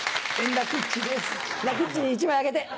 楽っちに１枚あげて。